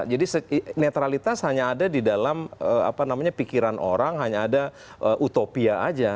jadi netralitas hanya ada di dalam pikiran orang hanya ada utopia aja